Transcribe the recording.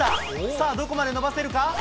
さあ、どこまで伸ばせるか？